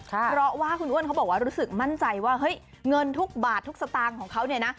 เพราะว่าคุณอ้วนเขาบอกว่ารู้สึกมั่นใจว่าเฮ้ยเงินทุกบาททุกสตางค์ของเขาเนี่ยนะ